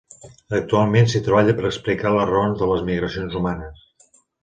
Actualment s'hi treballa per explicar les raons de les migracions humanes.